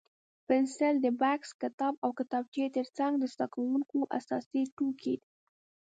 پنسل د بکس، کتاب او کتابچې تر څنګ د زده کوونکو اساسي توکي دي.